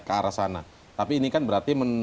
ke arah sana tapi ini kan berarti menurut saya